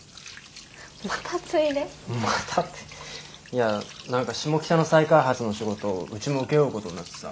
いや何か下北の再開発の仕事うちも請け負うことになってさ。